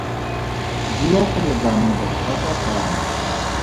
Bua gore bana ba ba kwa kae.